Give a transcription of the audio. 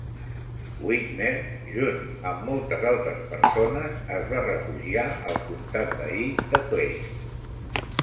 Whitmer, junt amb moltes altres persones, es va refugiar al comtat veí de Clay.